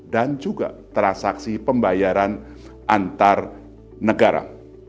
juga transaksi pembayaran antar negara